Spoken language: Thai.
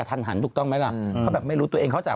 ตอนนี้บทคนมันจะหล่อมันฉ่ำ